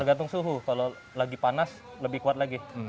tergantung suhu kalau lagi panas lebih kuat lagi